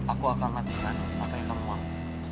aku akan ngerti apa yang kamu mau